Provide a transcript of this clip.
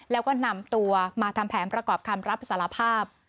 แล้วก็นำตัวมาทำแผนประกอบคำรับสารภาพ